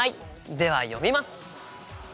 では読みます！